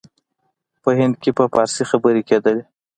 په هند کې په فارسي خبري کېدلې.